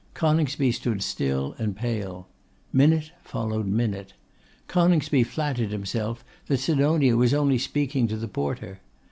Coningsby stood still and pale. Minute followed minute. Coningsby flattered himself that Sidonia was only speaking to the porter.